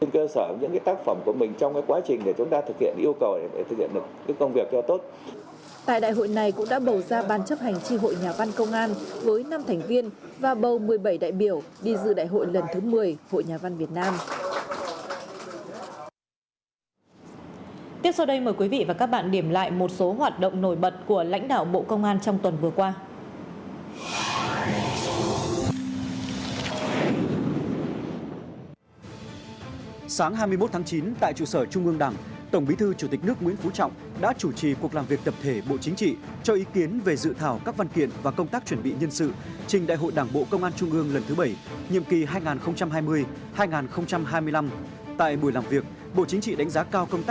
cơ sở những tác phẩm của mình trong quá trình chúng ta thực hiện yêu cầu để thực hiện được công việc cho tốt